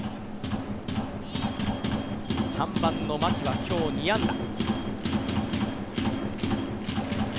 ３番の牧は今日、２安打。